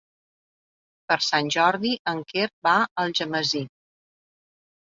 Per Sant Jordi en Quer va a Algemesí.